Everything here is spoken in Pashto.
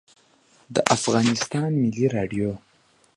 د افغانستان ملی رادیو